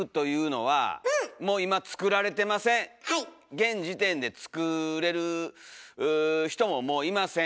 現時点で作れる人ももういません。